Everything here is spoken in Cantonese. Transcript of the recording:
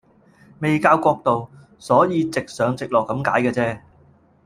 未校角度，所以直上直落咁解嘅啫